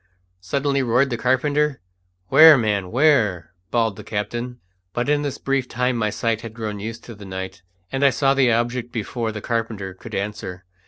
suddenly roared the carpenter. "Where, man, where?" bawled the captain. But in this brief time my sight had grown used to the night, and I saw the object before the carpenter could answer.